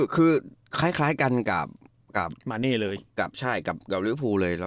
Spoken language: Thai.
คือคล้ายกันกับริวภูเลย